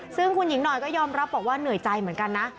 ซึ่งคุณหญิงหน่อยก็ยอมรับบอกว่าเหนื่อยใจเหมือนกันนะ